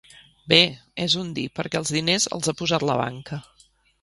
Bé, és un dir, perquè els diners els ha posat la banca.